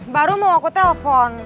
baru mau aku telepon